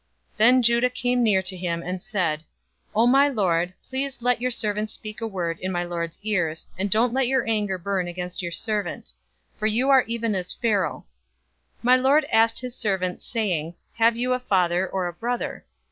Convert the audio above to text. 044:018 Then Judah came near to him, and said, "Oh, my lord, please let your servant speak a word in my lord's ears, and don't let your anger burn against your servant; for you are even as Pharaoh. 044:019 My lord asked his servants, saying, 'Have you a father, or a brother?'